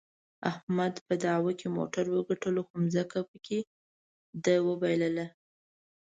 احمد په دعوا کې موټر وګټلو، خو ځمکه یې پکې د وباییلله.